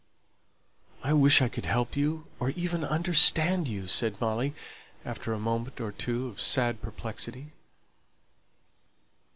"I wish I could help you, or even understand you," said Molly, after a moment or two of sad perplexity.